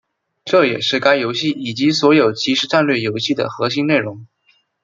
这也是该游戏以及所有即时战略游戏的核心内容。